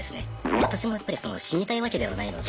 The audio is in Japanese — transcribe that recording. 私もやっぱり死にたいわけではないので。